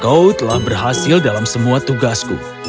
kau telah berhasil dalam semua tugasku